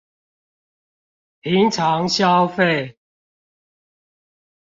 平常消費